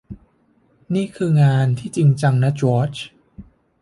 นี่คืองานที่จริงจังนะจอร์จ